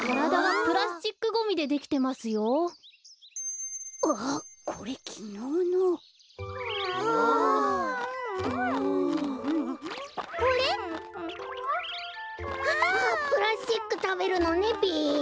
プラスチックたべるのねべ。